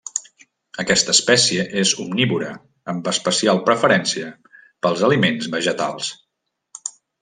Aquesta espècie és omnívora, amb especial preferència pels aliments vegetals.